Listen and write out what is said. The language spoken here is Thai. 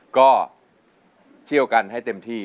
ก็เที่ยวกันให้เต็มที่